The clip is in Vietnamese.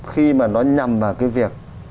khi mà nó nhằm vào cái việc